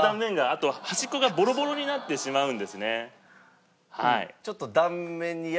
あと端っこがボロボロになってしまうんですね。